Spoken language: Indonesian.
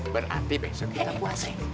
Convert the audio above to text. berarti besok kita puasih